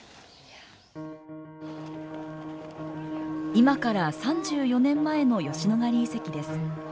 今から３４年前の吉野ヶ里遺跡です。